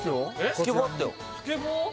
スケボーあったよ